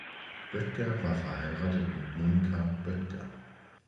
Böttger war verheiratet mit Monika Böttger.